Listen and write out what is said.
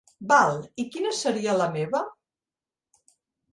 Val, i quina seria la meva?